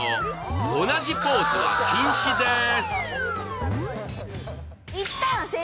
同じポーズは禁止です。